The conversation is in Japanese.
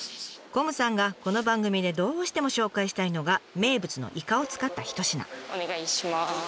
こむさんがこの番組でどうしても紹介したいのが名物のイカを使った一品。